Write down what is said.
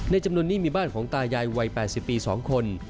จำนวนนี้มีบ้านของตายายวัย๘๐ปี๒คน